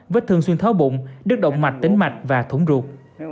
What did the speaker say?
vết thương xuyên thói bụng đứt động mạch tính mạch và thủng ruột